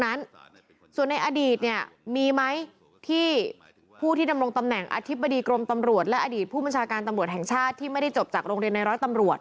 นั้นส่วนในอดีตเนี่ยมีไหมที่ผู้ที่ดำรงตำแหน่งอธิบดีกรมตำรวจและอดีตผู้บัญชาการตำรวจแห่งชาติที่ไม่ได้จบจากโรงเรียนในร้อยตำรวจ